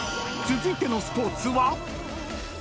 ［続いてのスポーツは？］